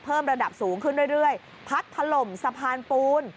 เพิ่มระดับสูงขึ้นเรื่อยพัดถล่มสะพานปูน